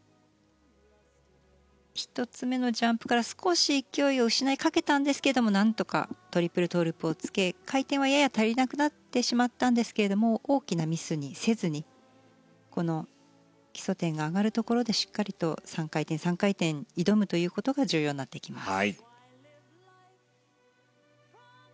１つ目のジャンプから少し勢いを失いかけたんですけどもなんとかトリプルトウループをつけ回転はやや足りなくなってしまったんですが大きなミスにせずにこの基礎点が上がるところでしっかりと３回転３回転に挑むことが重要になってきます。